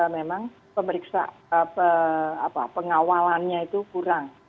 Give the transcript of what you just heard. memang pemeriksaan pengawalannya itu kurang